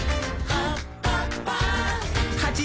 「はっぱっぱ！」